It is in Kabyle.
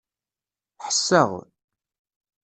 Ḥesseɣ.